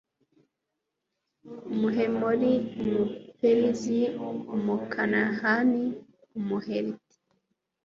umuhemori, umuperizi, umukanahani, umuheti